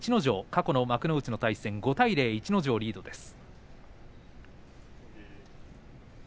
過去の幕内のでの対戦は５対０と逸ノ城がリードです。